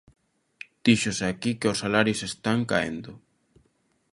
Díxose aquí que os salarios están caendo.